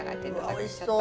おいしそう。